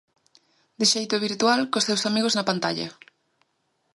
De xeito virtual, cos seus amigos na pantalla.